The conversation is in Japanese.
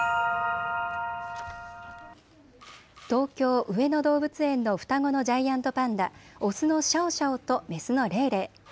東京、上野動物園の双子のジャイアントパンダ、オスのシャオシャオとメスのレイレイ。